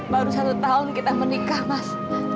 baru satu tahun kita menikah mas